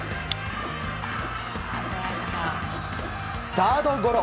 サードゴロ。